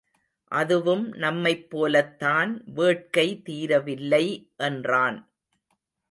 அதுவும் நம்மைப்போலத்தான் வேட்கை தீரவில்லை என்றான்.